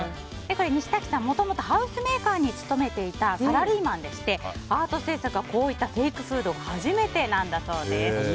西瀧さん、もともとハウスメーカーに勤めていたサラリーマンでしてアート制作はこういったフェイクフードは初めてなんだそうです。